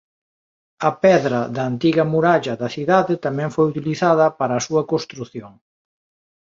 A pedra da antiga muralla da cidade tamén foi utilizada para a súa construción.